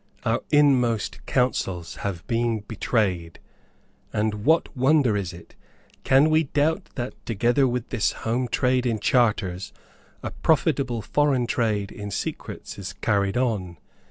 Our inmost counsels have been betrayed. And what wonder is it? Can we doubt that, together with this home trade in charters, a profitable foreign trade in secrets is carried on?